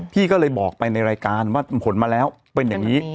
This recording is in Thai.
พี่ก็เลยบอกไปในรายการว่าผลมาแล้วเป็นอย่างนี้